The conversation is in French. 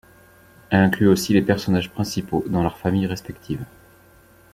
Elle inclut aussi les personnages principaux dans leurs familles respectives.